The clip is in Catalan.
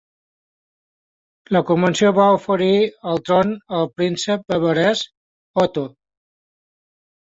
La convenció va oferir el tron al príncep bavarès Otto.